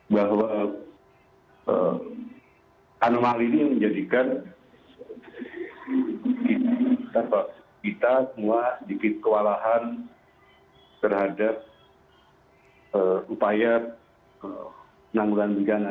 bahwa anomali ini menjadikan kita semua sedikit kewalahan terhadap upaya penanggulan bencana